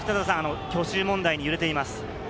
去就問題に揺れています。